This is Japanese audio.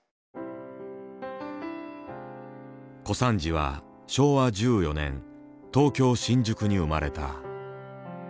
小三治は昭和１４年東京・新宿に生まれた。